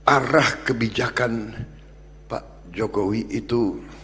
arah kebijakan pak jokowi itu